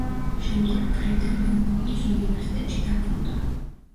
შემდეგ ფრედა მელბურნის უნივერსიტეტში დაბრუნდა.